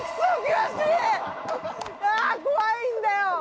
やー、怖いんだよ。